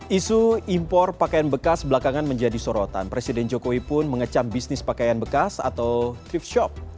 isu impor pakaian bekas belakangan menjadi sorotan presiden jokowi pun mengecam bisnis pakaian bekas atau trift shop